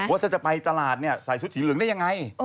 ว่าถ้าจะไปตลาดเนี่ยใส่ชุดสีเหลืองได้ยังไง